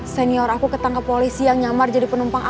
senior aku ketangkep polisi yang nyamar jadi penuh panggilan